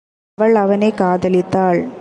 அவள் அவனைக் காதலித்தாள்.